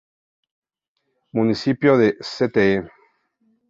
Municipio de Ste.